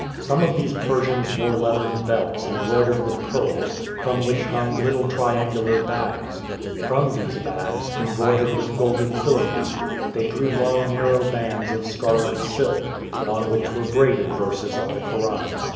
Some of these Persians wore leathern belts embroidered with pearls, from which hung little triangular bags. From these bags, embroidered with golden filigree, they drew long narrow bands of scarlet silk, on which were braided verses of the Koran.